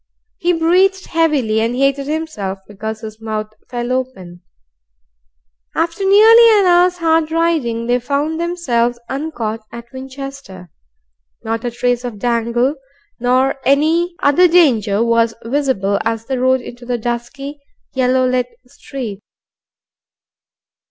He breathed heavily, and hated himself because his mouth fell open, After nearly an hour's hard riding, they found themselves uncaught at Winchester. Not a trace of Dangle nor any other danger was visible as they rode into the dusky, yellow lit street.